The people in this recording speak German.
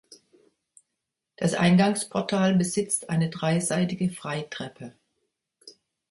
Das Eingangsportal besitzt eine dreiseitige Freitreppe.